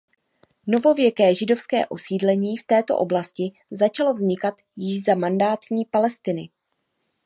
Novověké židovské osídlení v této oblasti začalo vznikat již za mandátní Palestiny.